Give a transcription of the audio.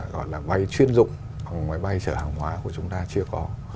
gọi là máy chuyên dụng hoặc máy bay chở hàng hóa của chúng ta chưa có